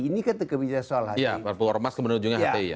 ini ketika bisa soal hti